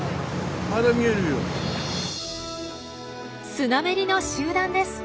スナメリの集団です！